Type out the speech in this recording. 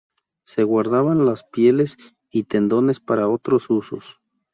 Se guardaban las pieles y tendones para otros usos.